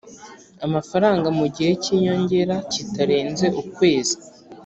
amafaranga mu gihe cy inyongera kitarenze ukwezi